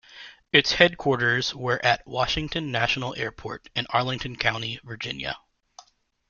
Its headquarters were at Washington National Airport in Arlington County, Virginia.